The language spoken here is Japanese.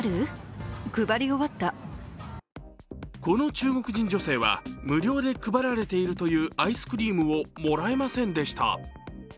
この中国人女性は無料で配られているというアイスクリームをもらえませんでした。